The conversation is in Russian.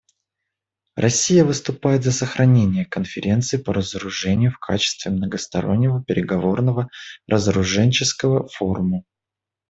Россия выступает за сохранение Конференции по разоружению в качестве многостороннего переговорного разоруженческого форума.